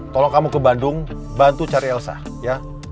tolong kamu ke bandung bantu cari elsa ya